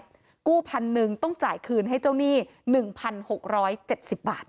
กู้พันหนึ่งต้องจ่ายคืนให้เจ้าหนี้๑๖๗๐บาท